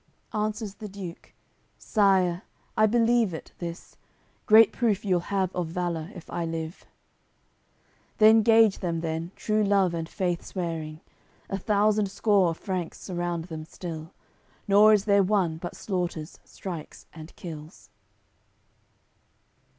Answers the Duke: "Sire, I believe it, this. Great proof you'll have of valour, if I live." They 'ngage them then, true love and faith swearing; A thousand score of Franks surround them still. Nor is there one, but slaughters, strikes and kills.